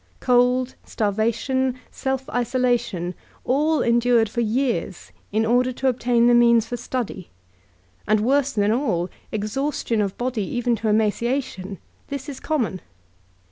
C>ld, starvation, self isolation, all endured for years in order to obtain the means for study ; and, worse than all, exhaustion of body even to emaciation — this is common.